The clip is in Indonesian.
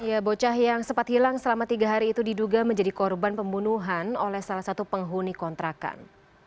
ya bocah yang sempat hilang selama tiga hari itu diduga menjadi korban pembunuhan oleh salah satu penghuni kontrakan